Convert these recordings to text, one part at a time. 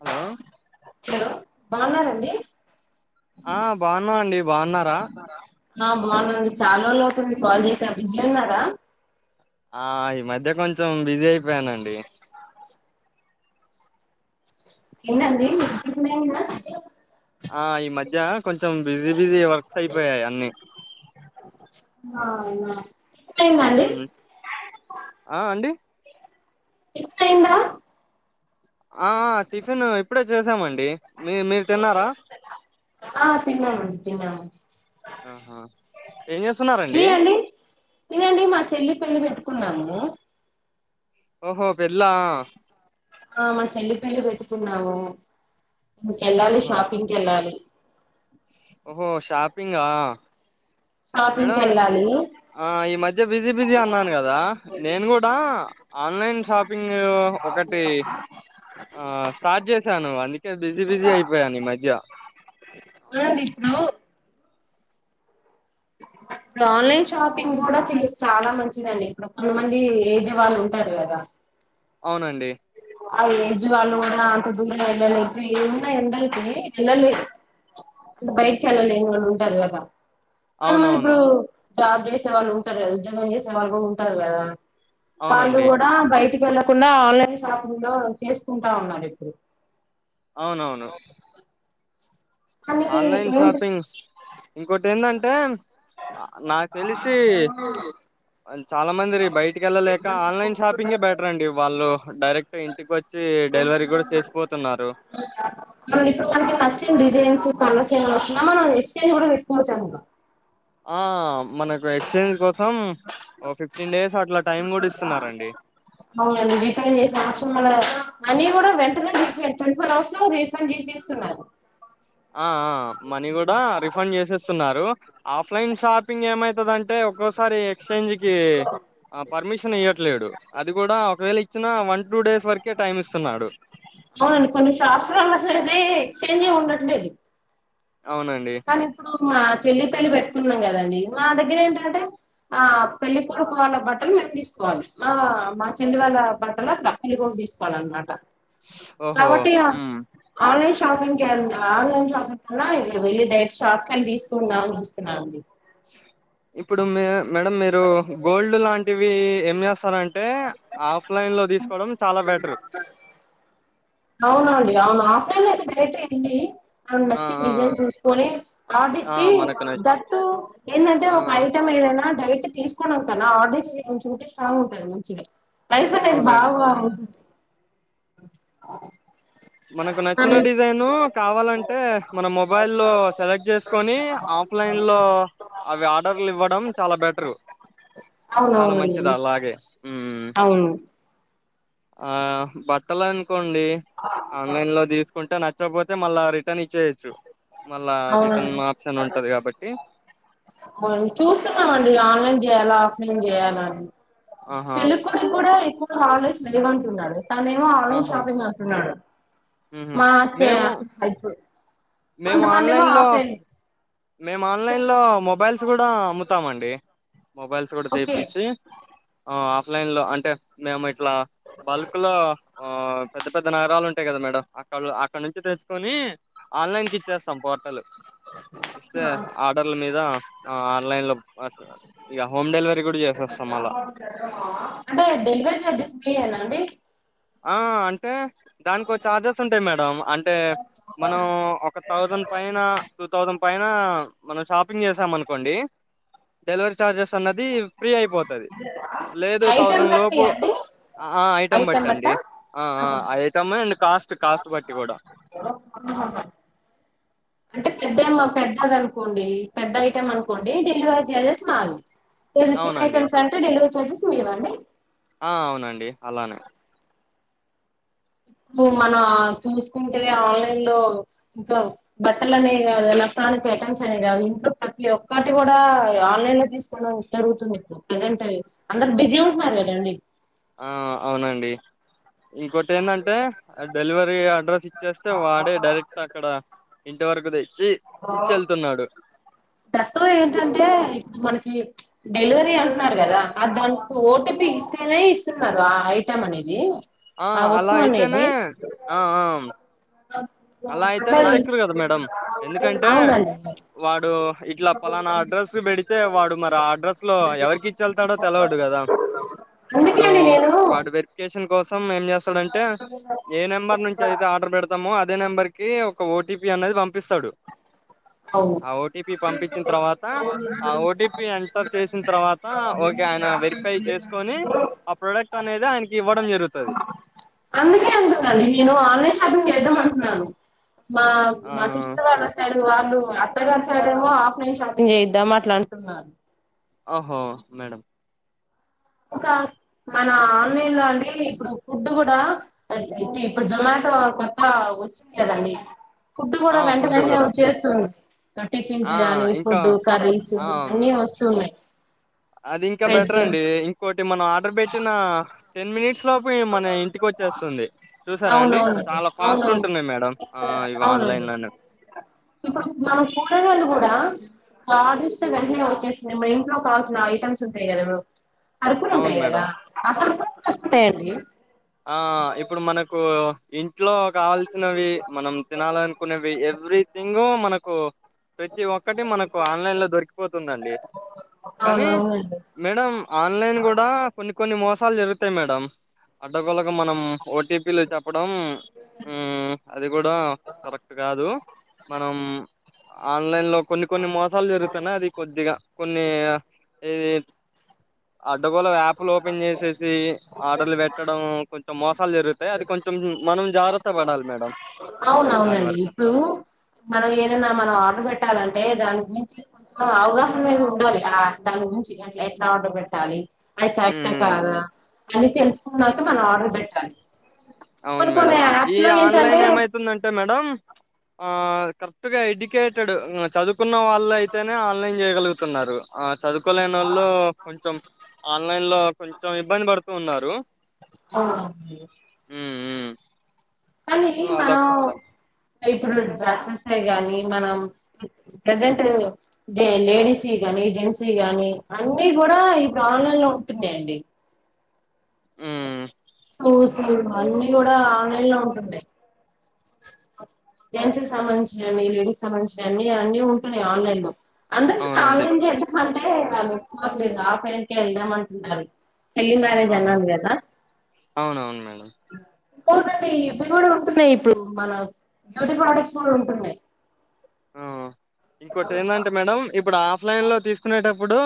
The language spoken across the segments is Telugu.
హలో హలో బాగున్నారండి ఆ బాగున్నమండీ బాగున్నారా ఆ బావున్నమండీ చాలా రోజులవుతుంది కాల్ చేయక బిజీ ఉన్నారా ఆ ఈ మధ్య కొంచెం బిజీ అయిపోయానండి ఏంటండీ మస్త్ బిజీ అని కూడ ఆ ఈ మధ్య కొంచెం బిజీ బిజీ వర్క్స్ అయిపోయాయి అన్ని ఆ అవునా. టిఫిన్ ఊ అయిందా అండి ఆ అండి టిఫిన్ అయిందా ఆ ఆ టిఫిన్ ఇప్పుడే చేసామండి మీ మీరు తిన్నారా ఆ తిన్నామండి తిన్నాము ఆహా ఏం చేస్తున్నరండి ఇది అండి కున్నాము ఓహో పెళ్లా ఆ మా చెల్లి పెళ్లి పెట్టుకున్నాము ఇంకెళ్లాలి ఓహో షాపింగ్ కెళ్ళాలి ఓహో షాపింగా షాపింగ్ కి మేడం వెళ్ళాలి ఇ ఆ ఈ మధ్య బిజీ బిజీ అన్నాను కదా నేను కూడా ఆన్లైన్ షాపింగ్ ఒకటి ఆ స్టార్ట్ చేశాను అందుకే బిజీ బిజీ అయిపోయాను ఈ మధ్య బ్లూ ఆన్లైన్ షాపింగ్ కూడా తె చాలా మంచిదండి ఇప్పుడు కొంతమంది ఏజ్ వాళ్ళు ఉంటారు కదా అవునండి ఆ ఏజ్ వాళ్ళు కూడా అంత దూరం వెళ్ళలేక ఏమున్నా ఉండాల వెళ్ళలే బైక్ వెళ్ళలేమని ఉంటారు కదా కానీ మన అవునవును ఇప్పుడు జాబ్ చేసే వాళ్ళు ఉంటారు కదా ఉద్యోగం చేసే వాళ్ళు కూడా ఉంటారు కదా వాళ్ళు అవునండి కూడా బయటికి వెళ్లకుండా ఆన్లైన్ షాపింగ్ లో చేసుకుంటా ఉన్నారూ ఇప్పుడు అవునవును కానీ ఆన్లైన్ ఏంటి షాపింగ్ ఇంకోటి ఏందంటే నాకు తెలిసి చాలా మంది బయటికి వెళ్ళలేక ఆన్లైన్ షాపింగే బెటర్ అండి వాళ్ళు డైరెక్ట్ ఇంటికి వచ్చి డెలివరీ కూడా చేసిపోతున్నారు మనం ఇప్పుడు మనకి నచ్చిన డిజైన్స్ కండల చేం వచ్చిన మనం ఎక్స్ చేంజ్ కూడా పెక్కువచ్చాను ఆ మనకు ఎక్స్చేంజ్ కోసం ఓ ఫిఫ్టీన్ డేస్ అట్లా టైం కూడా ఇస్తున్నారండి అవునం రిటర్న్ చేసిన అవసం అన్ని కూడా వెంటనే రిఫడ్ ట్వంటీ ఫోర్ అవర్స్ లో రిఫండ్ చేసి ఇస్తున్నారు ఆ మనీ కూడా రిఫండ్ చేసేస్తున్నారు ఆఫ్ లైన్ షాపింగ్ ఏమైతుందంటే ఒక్కోసారి ఎక్స్చేంజ్ కి పర్మిషన్ ఇయ్యట్లేదు అది కూడా ఒకవేళ వ వంట అవునండి కొన్ని షార్ట్స్ లో ఉన్నా సర ఇద ఎక్స్చేంజ్ంట ట్లేది అవునండి మా చెల్లి పెళ్లి పెట్టుకున్నాం కదండి మా దగ్గర ఏంటంటే ఆ పెళ్లికొడుకు వాళ్ళ బట్టలు మ తీసుకోవాలి మా మా చెల్లి వాళ్ళ బట్టలు అ పెళ్లికడుకు తీసుకోవాలి అనమాట ఓహో కాబట్టి హ్మ్ అష్ షాపిగ్ క ఆన్లైన్ షాపింగ్ వెళ్ న షాక్లు తీసుకున్నాాంని చూస్తున్నాం అండి ఇప్పుడు మ మేడం మీరు గోల్డ్ లాంటివి ఏం చేస్తారంటే అంటే ఆఫ్లైన్ లో తీసుకోవడం చాలా బెటర్ అవునండి అవును ఆఫ్ టైన్ లో అయితే ేట్ అయ్యంది ఆ నచ్చి ఆ డిజైన్ చూసుకొని ఆర్డ ఆ ఇచ్చి మనకు నచ్ ట్టు ఏంటంటే ఆ ఒక ఐటెం ఏదైనా డైట్ తీసుకోడా కన్నా ఆర్డ మంచి మంచింటే స్ట్రాంగ్ ఉంట మంచిగా ఫ టైం అవునండి బాదు అవు మనకు నచ్చిన డిజైను కావాలంటే మన మొబైల్ సెలెక్ట్ చేసుకొని ఆఫ్లైన్ లో అవి ఆర్డర్లు ఇవ్వడం చాలా బెటరు చాలా అవునవునండి మంచిది అలాగే ఉ అవును ఆ బట్టలు అనుకోండి ఆన్లైన్ లో తీసుకుంటే నచ్చ చ్చపోతే మళ్ళా రిటర్న్ ఇచ్చేయొచ్చు మళ్ళా రిటర్న్ ఆప్షన్ ఉంటది కాబట్టి అవునండి చూస్తున్నామండి ఆన్లైన్ చెయ్యలా ఆ ఏం చేయాల అని ఆహా పెళ్లికొడుక్కి కూడా ఎక్కువ హాలిడేస్ లేవంటున్నాడు తనేమో ఆన్లైన్ ఆహా షాపింగ్ అంటున్నాడు ఉహు మాచ్చ మేము అయిపో మేము ఆన్లైన్ లో మేము ఆన్లైన్ లో చెప్పండి మొబైల్స్ కూడా అమ్ము వస్తామండి మొబైల్స్ కూడా ఓకే తెప్పిచ్చి ఆ లైన్ లో అంటే మేము ఇట్లా బల్క్ లో ఆ పెద్ద పెద్ద నగరాలు ఉంటాయి కదా మేడౕం అక్కడ అక్కడనుంచి తెచ్చుకొని ఆన్లైన్ కి ఇచ్చేస్తాం పోర్టల్ ఇస్తే ఆర్డర్ల మీద ఆ ఆన్లైన్ లో ఇక హోమ్ డెలివ అంటే డెలివరీ చార్జెస్ ఫ్రీ యేనా అండి ఆ అంటే దానికో చార్జెస్ ఉంటాయి మేడం అంటే మనం ఒక థౌసండ్ పైన టూ థౌసండ్ పైన మనం షాపింగ్ చేసాం అనుకోండి డెలివరీ చార్జెస్ అన్నది ఫ్రీ అయిపోతాది లేదు ఐటెం థౌసండ్ బట్టి లోపు అండి ఆ ఐటమ్ ఐటెం బట్టి బట్టా ఆ ఆ ఐటెమ్మె అండ్ కాస్ట్ కాస్ట్ బట్టి కూడా అంటే పెద్ద పెద్దది అనుకోండి పెద్ద ఐటెమ్ అనుకోండి డెలివరీ చార్జస్ మారవు లేదు చిన్న అవునండి ఐటమ్స్ అంటే డెలిరీ ర్జెస్ మీవా అండి ఆ అవునండి అలానే ఇప్పుడు మన చూసుకుంటే ఆన్లైన్ లో ఇంకా బట్టలు అనేవి కాదు ఎలక్ట్రానిక్ ఐటమ్స్ అనే కాదు ఇంట్లో ప్రతి ఒక్కటి కూడా ఆన్లైన్ లో తీసుకోవడం జరుగుతుంది ఇప్పుడు ప్రజెంట్ అందరు బిజీ ఉంటున్నారు కదండి ఆ అవునండి ఇంకోటి ఏందంటే డెలివరీ అడ్రస్ ఇచ్చేస్తే వాడే డైరెక్ట్ అక్కడ ఇంటివరకు దె దట్ ఏంటంటే ఇప్పుడు మనకి డెలివరీ అంటున్నారు కదా అ దానికి ఓటీపీ ఇస్తేనే ఇస్తున్నారు ఆ ఐటెం అనేది ఆ అలా వస్తువు అయితేనే అనేది ఆ ఆ అట్ల తీసుకు కంటే వాడు ఇట్లా పలానా అడ్రస్ పెడితే వాడు మరి ఆ అడ్రస్ లో ఎవరికిచ్చి ఎళ్తాడో తెలవడు కదా అందుకే ఇప్పుడు అండి నేను వాడు వెరిఫికేషన్ మీ కోసం మేము చేస్తాడంటే ఏ నెంబర్ నుంచి అయితే ఆర్డర్ పెడతామో అది అదే నెంబర్ కి ఒక ఓటీపీ అనేది పంపిస్తాడు అవును ఆ ఓటీపీ పంపించిన తర్వాత ఆ ఓటీపీ ఎంటర్ చేసిన తర్వాత ఓకే ఆయన వెరిఫై చేసుకొని ఆ ప్రొడక్ట్ అనేది ఆయనకి ఇవ్వడం జరుగుతది అందుకే నాను మా ఆ మా కృష్ణ వాళ్ళ సైడ్ టు వాల్ నువు మీ అత్తగారి సైడేమో ఆఫ్లైన్ షాపింగ్ చేయిద్దాం అట్లా అంటున్నాను ఓహో మేడం ఇంకా మన ఆన్లైన్ లో అండి ఇప్పుడు ఫుడ్ కూడా ఇప్పుడు జొమాటో కొత్తగా వచ్చింది కదండి ఫుడ్ ఆ కూడా వెంట ఫుడ్ వెంటనే కూడా వచ్చేస్తుంది టిఫిన్స్ ఆ గానీ ఇంకా ఫుడ్డు కర్రీస్ ఆ అన్నీ వస్తున్నాయి అది ఇంకా వెజ్ బెటర్ అండి ఇం మనం ఆర్డర్ పెట్టిన టెన్ మినిట్స్ లోపు మన ఇంటికి వచ్చేస్తుంది చూసారా అండి అవునవును చాలా ఫాస్ట్ అవునవును ఉంటున్నాయి మేడం ఇవి ఆన్లైన్ అవునండి లోనేవి ఆడర్స్ వెంటనే వచ్చేస్తున్నాయి మా ఇంట్లో కావాల్సిన ఐటమ్స్ ఉంటాయి కదా ఇప్పుడు అరటి అవును ఉంటయి మేడం కదా అప్పుడు కూడా వస్తే అండి ఆ ఇప్పుడు మనకు పో ఇం ఇంట్లో కావాల్సినవి మనం తినాలనుకునేవి ఎవ్రీథింగ్ మనకు కు ప్రతి ఒక్కటి మనకు ఆన్లైన్ లో దొరికిపోతుందండి కానీ అవునవునండి మేడం ఆన్లైన్ కూడా కొన్ని కొన్ని మోస్ తాలు జరుగుతయి మేడం అడ్డగోలగా మనం ఓ టీ పీ లు చెప్పడం ఉ అది కూడా కరెక్ట్ కాదు మనం ఆన్లైన్ లో కొన్ని కొన్ని మోసాలు జరుగుతున్నాయి అది కొద్దిగా కొన్ని ఇగ ఇది అడ్డ గోలుగా యాప్లు ఓపెన్ చేసేసి ఆర్డర్లు పెట్ ఉ కొంచమో సాల్ జరుగుతయి అది కొంచం మనం జాగ్రత్త పడాలి మేడం దాని అవునవునండి. వరకు ఇప్పుడు మనం ఏదైనా మనం ఆర్డర్ పెట్టాలని అంటె దాని గురించి కొంచము అవగాహననేది ఉండాలి దాని గురించి అట్లా ఎట్లా ఆర్డర్ పెట్టాలి అది కరెక్టా మ్ కాదా అది తెలుసుకున్నాకె మనం ఆర్డర్ పెట్టాలి. అవును కొన్ని మేడం కొన్ని ఈ యాప్స్ లో ఆన్లైన్ ఏంటంటే ఏమైత్ తుందంటె మేడం ఆ కరెక్ట్ గా ఎడ్యుకేటెడ్ చదువుకున్న వాళ్ళు అయితేనే ఆన్లైన్ చేయగలుగుతున్నారు. ఆ చదువుకోలేనోళ్ళు కొంచెం ఆల్ లైన్ లొ కొంచెం ఇబ్బంది పడుత్ తు ఉన్నారు. ఆమ్ య ఊ కానీ మనం ఇప్ ప్పుడు డ్రెస్సెస్ అయి గాని మనం ప్రజెంట్ జే లేడీస్వి కానీ జెంట్స్వి కానీ అన్నీ కూడా ఇప్పుడు ఆన్లైన్లో ఉంటున్నయండి. పూసులు అన్ని కూడా ఆన్లైన్ లో ఉంటుండయి. జెంట్స్ కి సంబంధించినవి లేడీస్ సంబంధించిన అన్ని అన్ని ఉంటున్నాయి ఇగ ఆన్లైన్ లో అందరికీ అవునండి ఆన్లైన్ చేద్దామని అంటే వాళ్ళు మాకు లేదింగా ఆఫ్లైన్ కె ఎళ్దాం అంటుంటారు చెల్లి మ్యారేజ్ ఆహా అన్నాన్ కదా! అవునవును మేడం అ ఇంకోటండి ఇది కూడా ఉంటున్నాయి ఇప్పుడు మన బ్యూటీ ప్రోడక్ట్స్ కూడా ఉంటున్నాయి. ఆ ఇంకోటి ఏందంటే మేడం ఇప్పుడు ఆఫ్లైన్ లో తీసుకునేటప్పుడు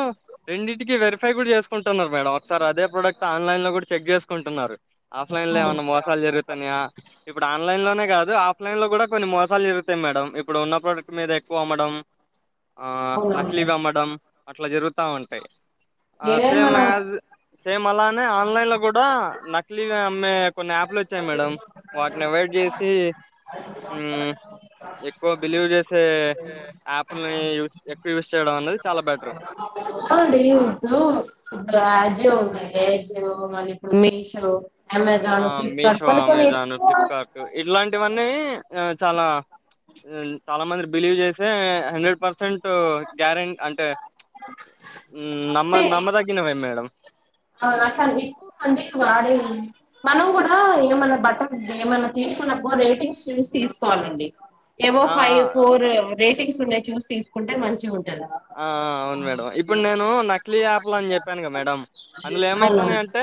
రెండింటికి వెరిఫై కూడా చేసుకుంటున్నారు మేడం ఒకసారి అదే ప్రొడక్ట్ ఆన్లైన్ లో కూడా చెక్ చేసుకుంటున్నారు. ఆఫ్లైన్ లొ ఏమన్నా మోసాలు జరుగుతాన్నాయా? ఇప్పుడు ఆన్లైన్ లోనే కాదు ఆఫ్లైన్ లొ కూడా కొన్ని మోసాలు జరుగుతాయి మేడం ఇప్ ఇప్పుడు ఉన్న ప్రోడక్ట్ మీద ఎక్కువ అమ్మడం ఆ అవునవును నకిలీవి అమ్మడం అట్లా జరుగుతా ఉంటాయ్. ఆ ఏదైనా సేమ్ మనం యాజ్ సేమ్ అలానె ఆన్లైన్ లొ కూడా నకిలీవి అమ్మే కొన్ని యాప్లోచ్చాయి మేడం వాటిని అవయిడ్ చేసి మ్మ్ ఎక్కువ బిలీవ్ చేసే యాపుల్ని యూస్ ఎక్కువ యూస్ చేయడం అనేది చాలా బెటరు. అవునండి ఇప్పుడు ఇప్పుడు అజియో ఉన్నాయి ఏ జియో మల్లి ఇప్పుడు మీషో ఆ అమెజాన్ ఫ్లిప్కార్ట్ మీషో కొన్ని కొన్ని అమెజాన్ ఎక్కువ ఫ్లిప్కార్ట్ ఇట్లాంటివన్నీ ఆ చాలా చాలా మంది బిలీవ్ చేసే హండ్రెడ్ పర్సెంట్ గ్యార అంటే నమ్మ నమ్మ దగినవే మేడం అ అట్లా ఎక్కువ మందికి వాడేవి మనం కూడా ఏమన్నా బట్ట ఏమైన్నా తీసుకున్నప్పు రేటింగ్స్ చూసి తీసుకోవాలండి ఏవో ఫైవ్ ఫోర్ రేటింగ్ ఇంగస్ చూసి తీసుకుంటే మంచిగా ఉంటాయి ఆ అవును మేడం ఇప్పుడు నేను నకిలీ ఆప్ల్ అని చెప్పానుగాద మేడం అందులో ఏమైతున్నాయ అవునవును అంటే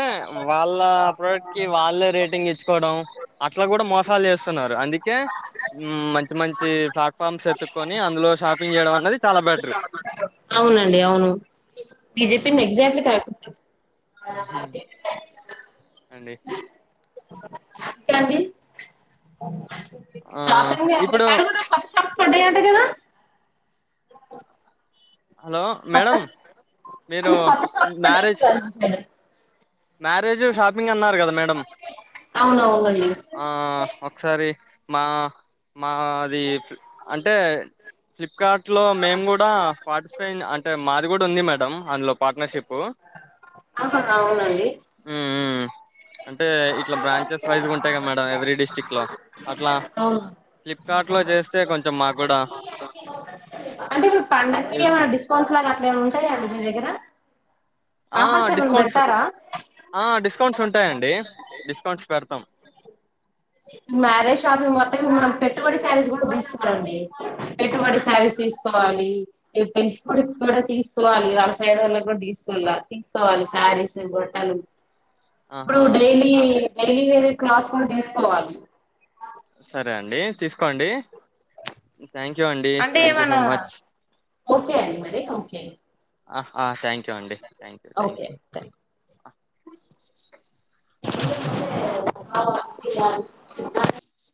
వాళ్ళ ప్రోడక్ట్ కి వాళ్ళే రేటింగ్ ఇచ్చుకోవడం అట్లా కూడా మోసాలు చేస్తున్నారు అందుకే మంచి మంచి ప్లాట్ఫామ్స్ ఎతుకొని అందులో షాపింగ్ చేయడం అనేది చాలా బెటర్ అవునండి అవును మీరు చెప్పింది ఎగ్జాక్ట్లీ కరెక్ట్ అనిపిస్తుంది ఆ [unintelligible] అండి ఇంకా అండి ఆ షాపింగ్ అండి ఇప్పుడు తను కూడా కొత్త షాప్స్ పడ్డాయి అంట కదా [inaudible] హలో కొత్త మేడం మీరు కొత్త షాప్స్ పడ్డాయి మ్యారేజ్ అంటగా మీ సైడ్ మ్యారేజ్ షాపింగ్ అన్నారు కదా మేడం అవునవునండి ఆ ఒకసారి మా మా అది అంటే ఫ్లిప్కార్ట్ లో మేము కూడా పార్టీస్పెండ్ అంటే మాది కూడా ఉంది మేడం అందులో పార్ట్నర్ షిప్ అవునండి అంటే ఇట్లా బ్రాంచెస్ వైజ్గా ఉంటాయి కదా మేడం ఎవరీ డిస్టిక్ లో అట్లా అవును ఫ్లిప్కార్ట్ లో చేస్తే కొంచెం మాకు కూడా అంటే ఇప్పుడు పండగకి యూస్ ఏమైనా ఫుల్ డిస్కౌంట్స్ లాగా అట్లా ఏమైనా ఉంటాయా అండి మీ దగ్గర ఆ ఆఫర్స్ ఏమైనా డిస్కౌంట్స్ పెడతారా ఆ డిస్కౌంట్స్ ఉంటాయండి డిస్ డిస్కౌంట్స్ పెడతాం మ్యారేజ్ షాపింగ్ మొత్తం మనం పెట్టుబడి శారీస్ కూడా తీసుకోవాలండి పెట్టుబడి శారీస్ తీసుకోవాలి పెళ్లి కొడుకు కూడా తీసుకోవాలి వాళ్ళ సైడ్ వాళ్ళ కూడా తీసుకోలే తీసుకోవాలి శారీస్ బట్టలు ఇప్పుడు ఆహా డైలీ డైలీ వేర్ క్లాత్ కూడా తీసుకోవాలి సరే అండి తీసుకు కోండి థ్యాంక్ యూ అండి అంటే థ్యాంక్ యూ సో ఏమన్నా మచ్ ఓకే అండి మరి ఓకే ఆ అహా థ్యాంక్ యూ అండి థ్యాంక్ యూ థ్యాంక్ యూ ఆహా [unintelligible]